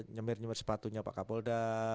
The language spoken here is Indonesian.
nyemir nyemir sepatunya pak kapolda